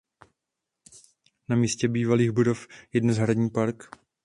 Na místě bývalých budov je dnes hradní park.